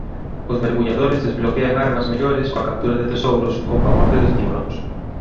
Os mergulladores desbloquean armas mellores coa captura de tesouros ou coa morte de tiburóns.